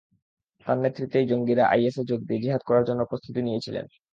তাঁর নেতৃত্বেই জঙ্গিরা আইএসে যোগ দিয়ে জিহাদ করার জন্য প্রস্তুতি নিয়েছিলেন।